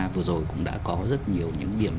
vừa rồi cũng đã có rất nhiều những điểm